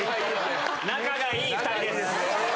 仲がいいお２人です。